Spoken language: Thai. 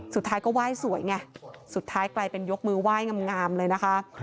สุดท้ายก็ไหว้สวยไงสุดท้ายกลายเป็นยกมือไหว้งามเลยนะคะ